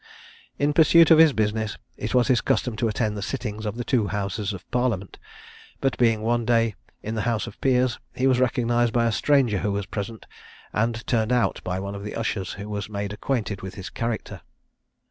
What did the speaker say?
In pursuit of his business, it was his custom to attend the sittings of the two Houses of Parliament; but being one day in the House of Peers, he was recognised by a stranger who was present, and turned out by one of the ushers, who was made acquainted with his character.